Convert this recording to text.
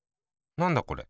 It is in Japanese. なんだこれ。